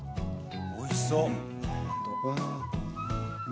おいしそう！